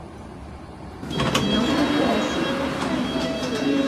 Não poderia ser